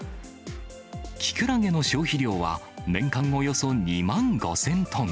きくらげの消費量は、年間およそ２万５０００トン。